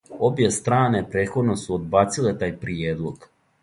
Обје стране претходно су одбациле тај приједлог.